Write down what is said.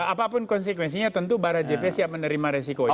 apapun konsekuensinya tentu para jps siap menerima resiko itu